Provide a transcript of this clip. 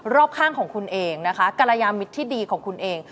รอบข้างของคุณเองนะคะกรยามิตรที่ดีของคุณเอง